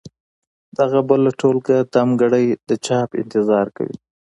دغه بله ټولګه دمګړۍ د چاپ انتظار کوي.